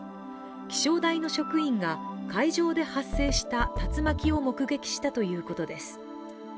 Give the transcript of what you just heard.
気象台の職員が海上で発生した竜巻を目撃したということです